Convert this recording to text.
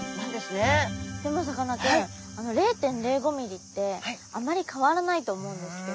でもさかなクン０．０５ｍｍってあまり変わらないと思うんですけど。